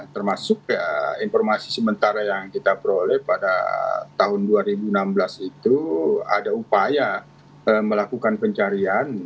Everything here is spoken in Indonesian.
termasuk informasi sementara yang kita peroleh pada tahun dua ribu enam belas itu ada upaya melakukan pencarian